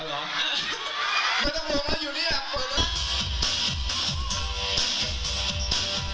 ล้อไปก่อนก็ได้แล้วก็ขึ้นมาขึ้นเพลง